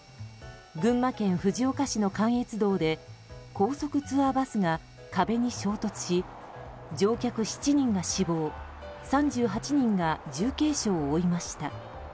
群馬県藤岡市の関越道で高速ツアーバスが壁に衝突し乗客７人が死亡３８人が重軽傷を負いました。